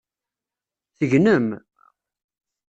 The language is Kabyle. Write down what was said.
Tegnem?